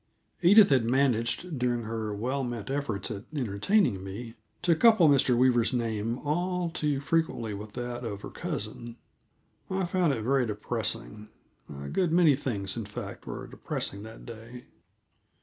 Edith had managed, during her well meant efforts at entertaining me, to couple Mr. Weaver's name all too frequently with that of her cousin. I found it very depressing a good many things, in fact, were depressing that day.